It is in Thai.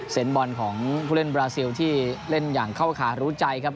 บอลของผู้เล่นบราซิลที่เล่นอย่างเข้าขารู้ใจครับ